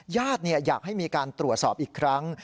ญาติอยากให้มีการตรวจสอบอีกครั้ง